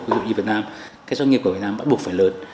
ví dụ như việt nam cái doanh nghiệp của việt nam bắt buộc phải lớn